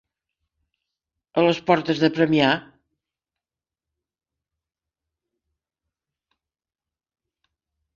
A les portes de Premià.